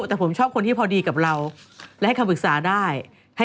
ทำไมหิวแล้วทำไมหอม